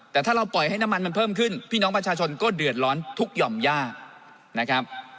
แต่ถ้าเราปล่อยให้น้ำมันมันเพิ่มขึ้นพี่น้องประชาชนก็เดือดร้อนทุกหย่อมย่านะครับ